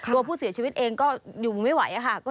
โดยผู้เสียชีวิตเองก็อยู่ไหนไม่ไหวอ่ะค่ะ